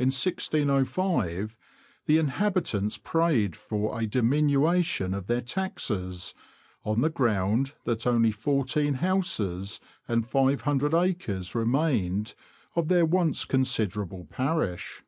In 1605, the inhabitants prayed for a diminution of their taxes, on the ground that only fourteen houses and 500 acres remained of their once considerable parish.